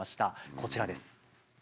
こちらです。